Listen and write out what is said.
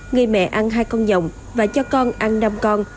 người mẹ ăn hai con dòng và cho con ăn năm con